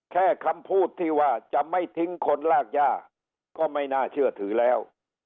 แค่คำพูดที่ว่าจะไม่ทิ้งคนลากย่าก็ไม่น่าเชื่อถือแล้ว